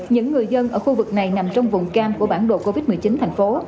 những người dân ở khu vực này nằm trong vùng cam của bản đồ covid một mươi chín thành phố